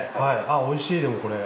おいしいでもこれ。